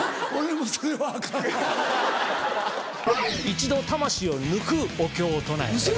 一度魂を抜くお経を唱えて。